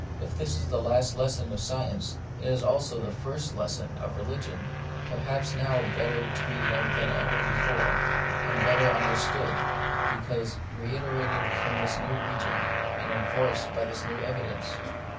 If this is the last lesson of science, it is also the first lesson of religion ; perhaps now better to be learnt than ever before, and better understood, because reiterated from this new region, and enforced by this new evidence.